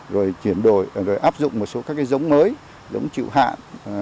rồi chuyển đổi rồi áp dụng một số các cái giống mới giống chịu hạn